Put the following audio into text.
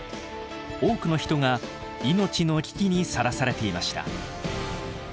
多くの人が命の危機にさらされていました。